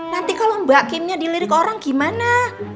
nanti kalau mbak kimnya dilirik orang gimana